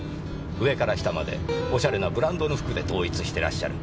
上から下までおしゃれなブランドの服で統一してらっしゃる。